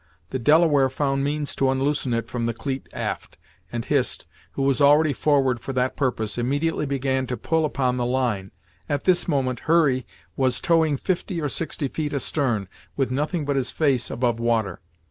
The Delaware found means to unloosen it from the cleet aft, and Hist, who was already forward for that purpose, immediately began to pull upon the line. At this moment Hurry was towing fifty or sixty feet astern, with nothing but his face above water.